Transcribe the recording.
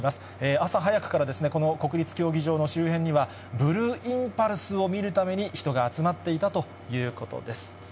朝早くから、この国立競技場の周辺には、ブルーインパルスを見るために人が集まっていたということです。